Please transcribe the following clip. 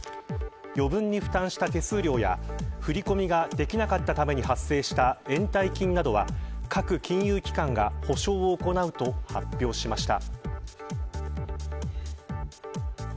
余分に負担した手数料や振り込みができなかったために発生した延滞金などは各金融機関が補償を行うと発表しました。